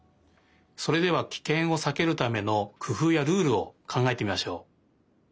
それではキケンをさけるためのくふうやルールをかんがえてみましょう。